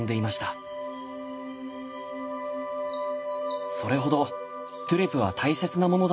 それほどトゥレは大切なものだったんです。